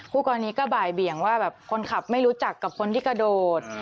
ผู้กรณีก็บ่ายเบี่ยงว่าแบบคนขับไม่รู้จักกับคนที่กระโดด